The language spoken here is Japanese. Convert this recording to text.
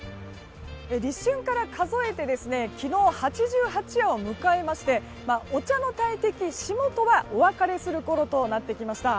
立春から数えて昨日、八十八夜を迎えましてお茶の大敵、霜とはお別れするころとなってきました。